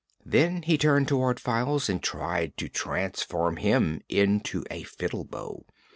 Then he turned toward Files and tried to transform him into a fiddle bow.